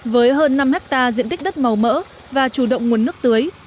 với hơn năm hectare diện tích đất màu mỡ và chủ động nguồn nước tưới